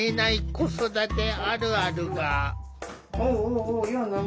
子育てあるあるが。